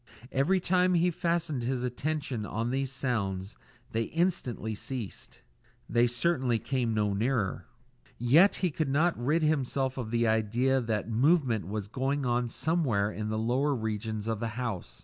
Every time he fastened his attention on these sounds, they instantly ceased. They certainly came no nearer. Yet he could not rid himself of the idea that movement was going on somewhere in the lower regions of the house.